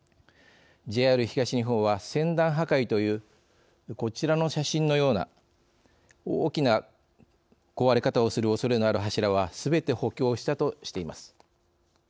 ＪＲ東日本は、せん断破壊というこちらの写真のような大きな壊れ方をするおそれのある柱はすべて補強したとしています。